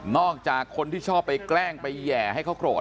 จากคนที่ชอบไปแกล้งไปแห่ให้เขาโกรธ